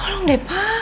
tolong deh pak